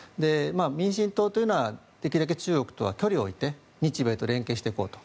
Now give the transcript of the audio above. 民進党というのはできるだけ中国とは距離を置いて日米と連携していこうと。